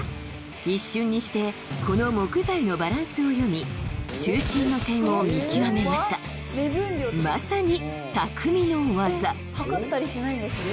一瞬にしてこの木材のバランスを読み中心の点を見極めましたまさにたくみの技測ったりしないんですね